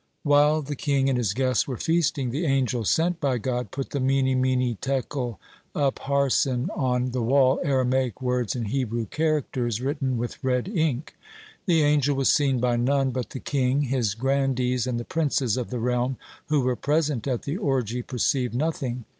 While the king and his guests were feasting, the angel sent by God put the "Mene, Mene, Tekel, Upharsin" on the wall, Aramaic words in Hebrew characters, (1) written with red ink. The angel was seen by none but the king. His grandees and the princes of the realm who were present at the orgy perceived nothing.